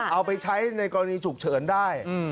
เอาไปใช้ในกรณีฉุกเฉินได้